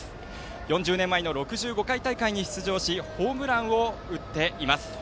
４０年前の６５回大会に出場しホームランを打っています。